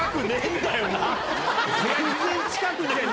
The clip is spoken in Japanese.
全然近くねえ！